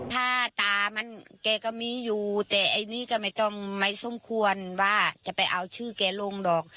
ถ้าตามันแกก็มีอยู่แต่ไอ้นี่ก็ไม่ต้องไม่สมควรว่าจะไปเอาชื่อแกลงหรอก